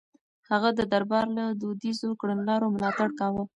هغه د دربار له دوديزو کړنلارو ملاتړ کاوه.